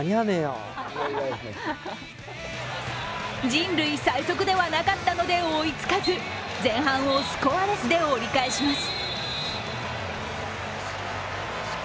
人類最速ではなかったので追いつかず前半をスコアレスで折り返します。